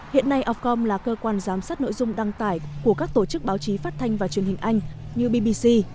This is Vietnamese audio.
hiện nay ofcom là cơ quan giám sát nội dung đăng tải của các tổ chức báo chí phát thanh và truyền hình anh như bbc